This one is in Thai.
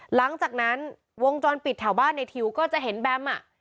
หลังจากนั้นวงจรปิดแถวบ้านในทิวก็จะเห็นแบมอ่ะ